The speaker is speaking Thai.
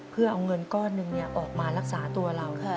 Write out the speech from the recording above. เพื่อเอาเงินก้อนหนึ่งออกมารักษาตัวเรา